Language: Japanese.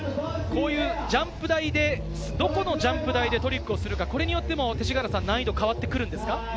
こういうジャンプ台で、どこのジャンプ台でトリックするか、これによっても勅使川原さん、難易度は変わるんですか？